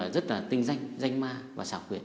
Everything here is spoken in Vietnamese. rất là tinh danh danh ma và xảo quyệt